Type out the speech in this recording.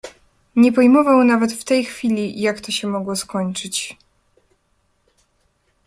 "Nie pojmował nawet w tej chwili, jak to się mogło skończyć."